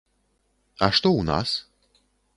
А што у нас?